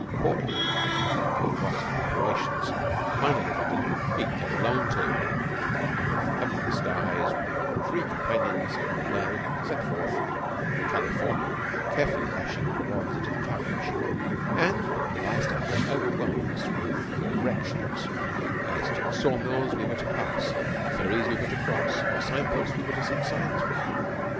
"Portland," who had watched the preparations, finally reckoned "He'd come along, too;" and under heavenly skies we three companions of a day set forth, California carefully lashing our rods into the carriage, and the by standers overwhelming us with directions as to the saw mills we were to pass, the ferries we were to cross, and the sign posts we were to seek signs from.